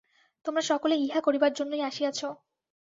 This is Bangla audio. তোমরা সকলে ইহা করিবার জন্যই আসিয়াছ।